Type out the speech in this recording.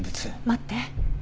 待って。